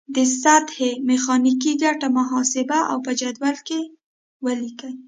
د سطحې میخانیکي ګټه محاسبه او په جدول کې ولیکئ.